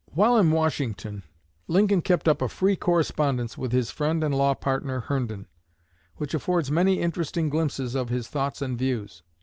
While in Washington, Lincoln kept up a free correspondence with his friend and law partner Herndon, which affords many interesting glimpses of his thoughts and views.